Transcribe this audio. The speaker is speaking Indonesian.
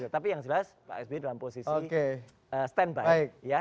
tapi yang jelas pak sbe dalam posisi stand by